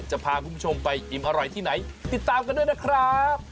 จะพาคุณผู้ชมไปอิ่มอร่อยที่ไหนติดตามกันด้วยนะครับ